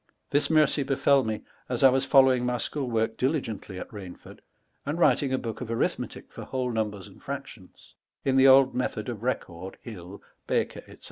This mercie befell mo as T was following my sehoole work diligently at Rainford, and writing a booke of arithmetick for whole numbers and fractions, in the old method of Record,' Hill,' Baker,* &c.